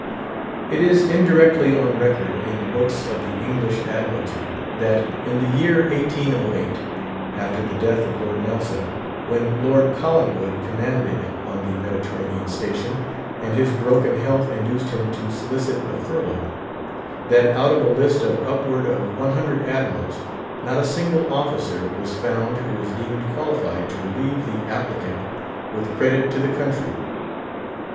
It is indirectly on record in the books of the English Admiralty, that in the year 1808—after the death of Lord Nelson—when Lord Collingwood commanded on the Mediterranean station, and his broken health induced him to solicit a furlough, that out of a list of upward of one hundred admirals, not a single officer was found who was deemed qualified to relieve the applicant with credit to the country.